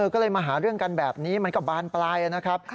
ก็เลยมาหาเรื่องกันแบบนี้มันก็บานปลายนะครับ